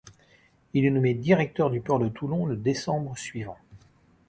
Il est nommé directeur du port de Toulon le décembre suivant.